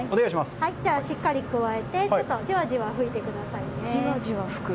しっかりくわえてじわじわ吹いてくださいね。